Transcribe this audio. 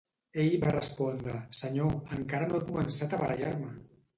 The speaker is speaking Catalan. Ell va respondre: Senyor, encara no he començat a barallar-me!